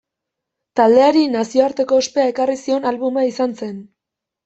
Taldeari nazioarteko ospea ekarri zion albuma izan zen.